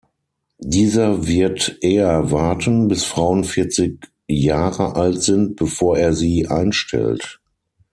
Dieser wird eher warten, bis Frauen vierzig Jahre alt sind, bevor er sie einstellt.